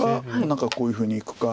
何かこういうふうにいくか。